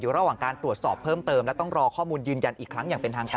ระหว่างการตรวจสอบเพิ่มเติมและต้องรอข้อมูลยืนยันอีกครั้งอย่างเป็นทางการ